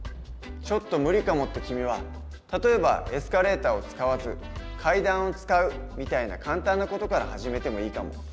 「ちょっと無理かも」って君は例えばエスカレーターを使わず階段を使うみたいな簡単な事から始めてもいいかも。